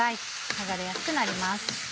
はがれやすくなります。